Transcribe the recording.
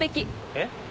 えっ？